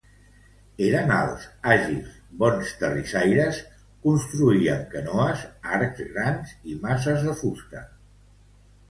Eren alts, àgils, bons terrissaires, construïen canoes, arcs grans i maces de fusta.